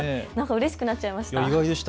うれしくなっちゃいました。